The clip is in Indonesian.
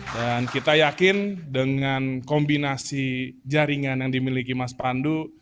dan kita yakin dengan kombinasi jaringan yang dimiliki mas pandu